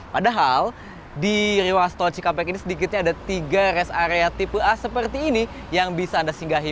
padahal di ruas tol cikampek ini sedikitnya ada tiga rest area tipe a seperti ini yang bisa anda singgahi